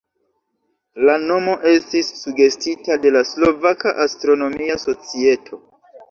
La nomo estis sugestita de la Slovaka Astronomia Societo.